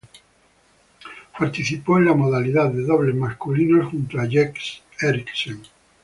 Participó en la modalidad de Dobles masculinos junto a Jens Eriksen.